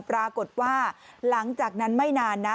ปรากฏว่าหลังจากนั้นไม่นานนะ